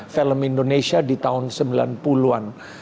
film indonesia di tahun sembilan puluh an